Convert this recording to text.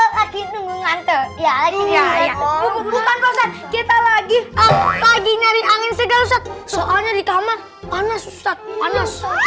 lagi nunggu ngantel ya lagi nyari angin segar soalnya di kamar panas panas